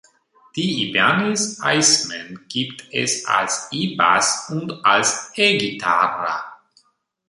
Die Ibanez Iceman gibt es als E-Bass und als E-Gitarre.